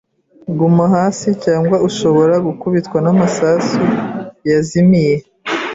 Guma hasi cyangwa ushobora gukubitwa n'amasasu yazimiye.